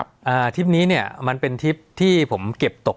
สวัสดีครับทุกผู้ชม